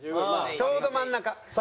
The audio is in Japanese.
ちょうど真ん中。